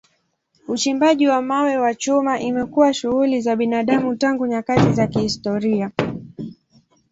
Uchimbaji wa mawe na chuma imekuwa shughuli za binadamu tangu nyakati za kihistoria.